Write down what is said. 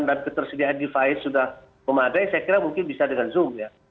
dan ketersediaan device sudah memadai saya kira mungkin bisa dengan zoom ya